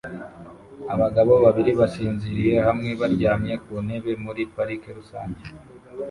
Abagabo babiri basinziriye hamwe baryamye ku ntebe muri parike rusange